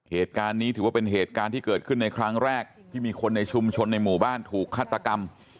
เหตุการณ์นี้ถือว่าเป็นเหตุการณ์ที่เกิดขึ้นในครั้งแรกที่มีคนในชุมชนในหมู่บ้านถูกฆาตกรรม